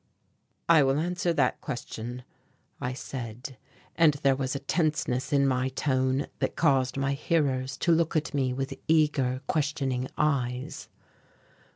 "I will answer that question," I said, and there was a tenseness in my tone that caused my hearers to look at me with eager, questioning eyes.